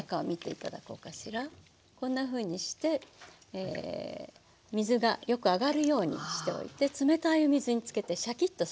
こんなふうにして水がよく上がるようにしておいて冷たいお水につけてシャキッとさせますね。